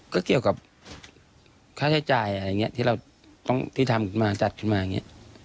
ก็เกี่ยวกับค่าใช้จ่ายอะไรอย่างนี้ที่เราต้องที่ทำขึ้นมาจัดขึ้นมาอย่างนี้